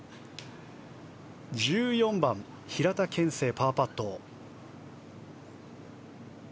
１４番、平田憲聖のパーパット。